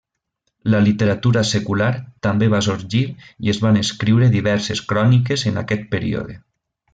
La literatura secular també va sorgir i es van escriure diverses cròniques en aquest període.